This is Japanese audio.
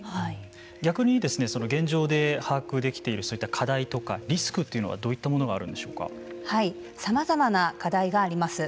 逆に現状で把握できているそういった課題とかリスクというのはどういったものがさまざまな課題があります。